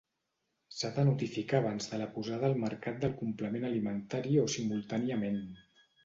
S'ha de notificar abans de la posada al mercat del complement alimentari o simultàniament.